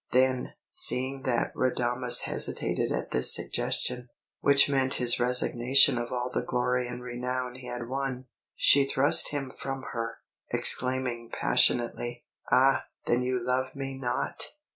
Then, seeing that Radames hesitated at this suggestion, which meant his resignation of all the glory and renown he had won, she thrust him from her, exclaiming passionately: "Ah, then, you love me not!